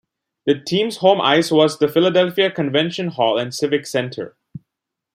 The team's home ice was the Philadelphia Convention Hall and Civic Center.